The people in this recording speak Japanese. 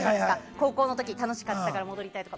高校の時に楽しかったから戻りたいとか。